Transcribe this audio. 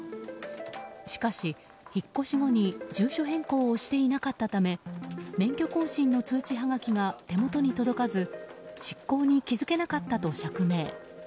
しかし、引っ越し後に住所変更をしていなかったため免許更新の通知はがきが手元に届かず失効に気付けなかったと釈明。